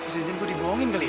sejen gue dibohongin kali ya